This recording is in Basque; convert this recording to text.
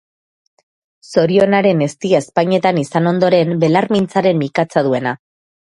Zorionaren eztia ezpainetan izan ondoren belarmintzaren mikatza duena.